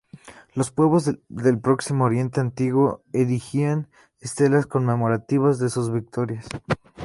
Los pueblos del Próximo Oriente Antiguo erigían estelas conmemorativas de sus victorias.